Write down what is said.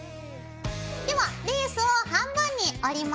ではレースを半分に折ります。